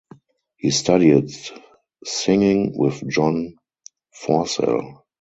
He studied singing with John Forsell.